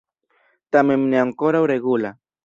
Tamen ne ankoraŭ regula.